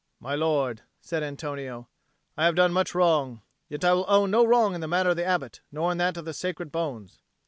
"My lord," said Antonio, "I have done much wrong. Yet I will own no wrong in the matter of the Abbot nor in that of the Sacred Bones."